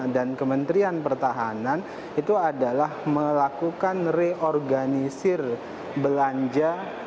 dan kementrian pertahanan itu adalah melakukan reorganisir belanja